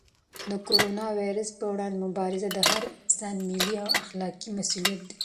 د کرونا وېروس پر وړاندې مبارزه د هر انسان ملي او اخلاقي مسؤلیت دی.